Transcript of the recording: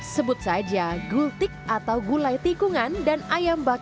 sebut saja gultik atau gulai tikungan dan ayam bakar